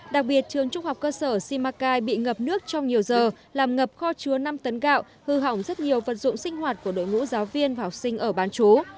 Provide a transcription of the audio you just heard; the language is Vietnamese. đặc biệt trường trung học cơ sở simacai bị ngập nước trong nhiều giờ làm ngập kho chứa năm tấn gạo hư hỏng rất nhiều vật dụng sinh hoạt của đội ngũ giáo viên và học sinh ở bán chú